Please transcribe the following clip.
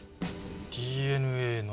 ＤＮＡの。